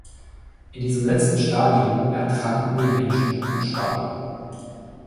In diesem letzten Stadium „ertranken“ die Menschen und starben.